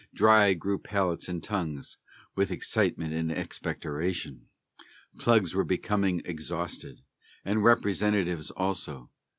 Dry grew palates and tongues with excitement and expectoration, Plugs were becoming exhausted, and Representatives also.